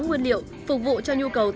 ừ đây là chả cá